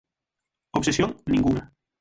Obsesión, ningunha.